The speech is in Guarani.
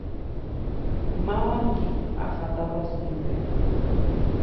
Mávandi aháta Brasilpe.